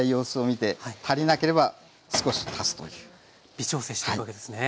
微調整していくわけですね。